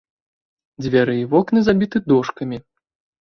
Дзверы і вокны забіты дошкамі.